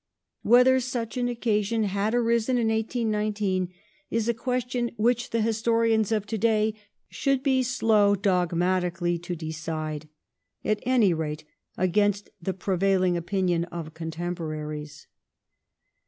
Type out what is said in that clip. Whether such an occasion had arisen in 1819 is a question which the historian of to day should be slow dogmatically to decide — at any rate against the prevailing opinion of contemporaries.